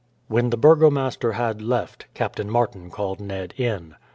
When the burgomaster had left, Captain Martin called Ned in.